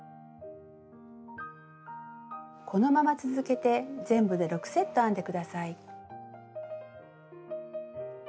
このまま続けて全部で６セット編んで下さい。